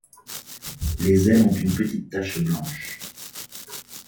Les ailes ont une petite tache blanche.